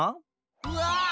うわ！